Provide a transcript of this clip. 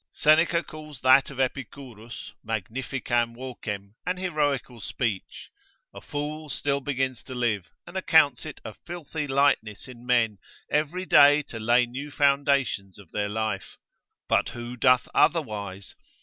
Seneca calls that of Epicurus, magnificam vocem, an heroical speech, A fool still begins to live, and accounts it a filthy lightness in men, every day to lay new foundations of their life, but who doth otherwise?